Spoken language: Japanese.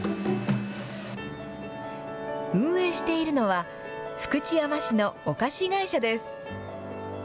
運営しているのは、福知山市のお菓子会社です。